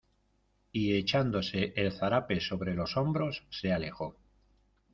y echándose el zarape sobre los hombros, se alejó.